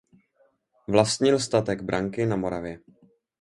Vlastnil statek Branky na Moravě.